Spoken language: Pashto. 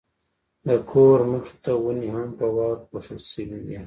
د کور مخې ته ونې هم په واورو پوښل شوې وې.